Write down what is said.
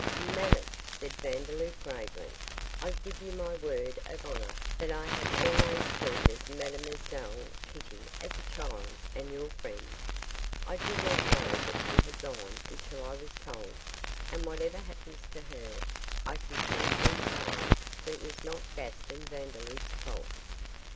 'Madame,' said Vandeloup, gravely, 'I give you my word of honour that I have always treated Mlle Kitty as a child and your friend. I did not know that she had gone until I was told, and whatever happens to her, I can safely say that it was not Gaston Vandeloup's fault.